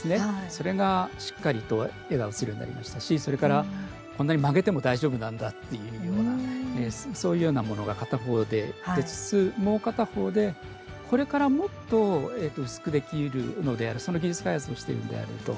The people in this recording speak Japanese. それが、しっかりと絵が映るようになりましたしそれから、こんなに曲げても大丈夫なんだというようなそういうようなものが片方でありつつ、もう片方でこれからもっと薄くできるのでその技術開発をしてるんであると。